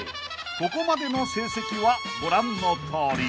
［ここまでの成績はご覧のとおり］